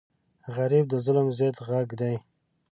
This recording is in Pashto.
غریب د ظلم ضد غږ دی